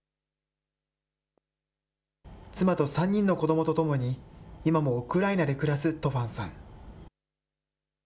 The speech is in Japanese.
妻と３人の子どもと共に今もウクライナで暮らすトファンさん。